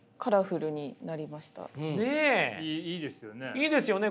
いいですよね